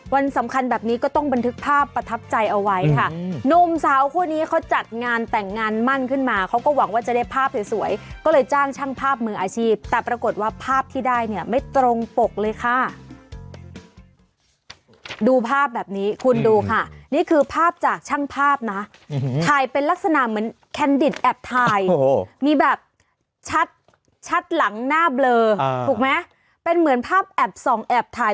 วันสำคัญแบบนี้ก็ต้องบันทึกภาพประทับใจเอาไว้ค่ะอืมนมสาวคู่นี้เขาจัดงานแต่งงานมั่นขึ้นมาเขาก็หวังว่าจะได้ภาพสวยสวยก็เลยจ้างช่างภาพมืออาชีพแต่ปรากฏว่าภาพที่ได้เนี่ยไม่ตรงปกเลยค่ะดูภาพแบบนี้คุณดูค่ะนี่คือภาพจากช่างภาพน่ะอืมถ่ายเป็นลักษณะเหมือนแค